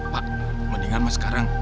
pak mendingan mah sekarang